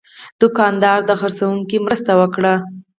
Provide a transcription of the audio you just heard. دوکاندار د پیرودونکي مرسته وکړه.